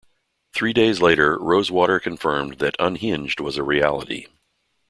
Three days later, Rosewater confirmed that "Unhinged" was a reality.